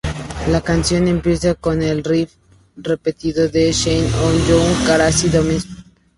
La canción empieza con el riff repetido de Shine On You Crazy Diamond, Pts.